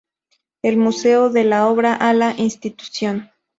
El museo: de la obra a la institución".